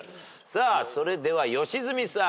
それでは良純さん。